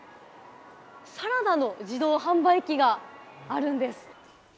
サラダの自動販売機があるんです。